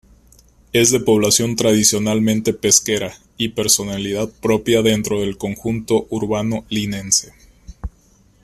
Es de población tradicionalmente pesquera y personalidad propia dentro del conjunto urbano linense.